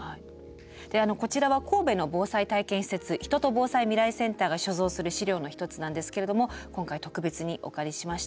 でこちらは神戸の防災体験施設人と防災未来センターが所蔵する資料の一つなんですけれども今回特別にお借りしました。